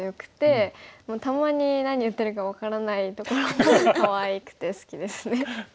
たまに何言ってるか分からないところもかわいくて好きですね。